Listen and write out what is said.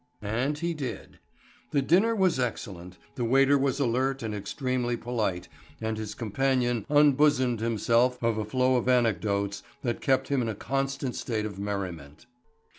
And he did. The dinner was excellent, the waiter was alert and extremely polite and his companion unbosomed himself of a flow of anecdotes that kept him in a constant state of merriment.